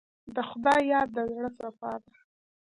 د خدای یاد د زړه صفا ده.